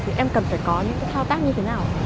thì em cần phải có những cái thao tác như thế nào